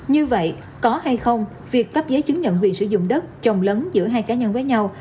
như vậy có hay không việc cấp giấy chứng nhận quyền sử dụng đất trồng lấn giữa hai cá nhân với nhau